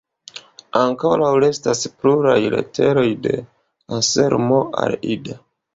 Ankoraŭ restas pluraj leteroj de Anselmo al Ida.